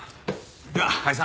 では解散。